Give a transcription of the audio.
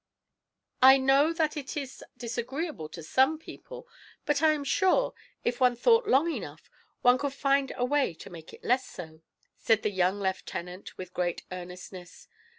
"I know that it is disagreeable to some people, but I am sure, if one thought long enough, one could find a way to make it less so," said the young lieutenant, with great earnestness.